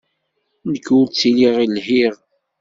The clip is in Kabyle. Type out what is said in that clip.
Nekk ur ttiliɣ lhiɣ.